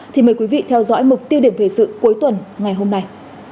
thì mời quý vị theo dõi mục tiêu điểm thời sự cuối tuần ngày hôm nay